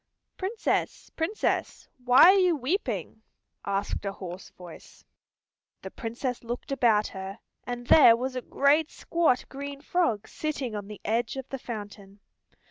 "Princess, Princess, why are you weeping?" asked a hoarse voice. The Princess looked about her, and there was a great squat green frog sitting on the edge of the fountain.